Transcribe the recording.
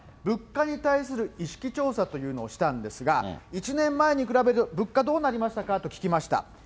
物価に対する意識調査というのをしたんですが、１年前に比べて物価どうなりましたか？と聞きました。